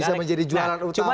itu yang bisa menjadi jualan utama